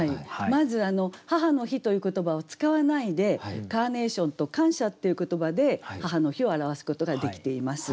まず「母の日」という言葉を使わないで「カーネーション」と「感謝」っていう言葉で母の日を表すことができています。